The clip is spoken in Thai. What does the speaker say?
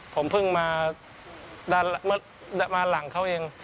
ผมเพิ่งมาหลังเขาเอง